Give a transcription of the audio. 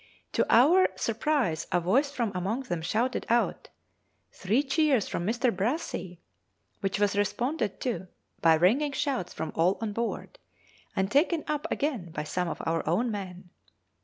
To our surprise a voice from among them shouted out 'Three cheers for Mr. Brassey!' which was responded to by ringing shouts from all on board, and taken up again by some of our own men.